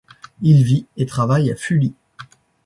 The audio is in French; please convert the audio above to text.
Il vit et travaille à Fully.